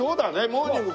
モーニング